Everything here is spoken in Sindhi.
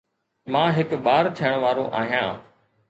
مان هڪ ٻار ٿيڻ وارو آهيان